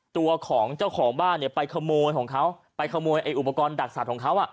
ตัวของเจ้าของบ้านเนี่ยไปขโมยของเขาไปขโมยไอ้อุปกรณ์ดักสัตว์ของเขาอ่ะ